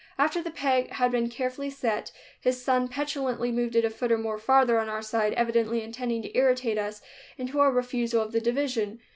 After the peg had been carefully set, his son petulantly moved it a foot or more farther on our side, evidently intending to irritate us into a refusal of the division.